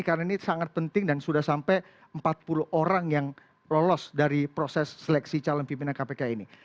karena ini sangat penting dan sudah sampai empat puluh orang yang lolos dari proses seleksi calon pimpinan kpk ini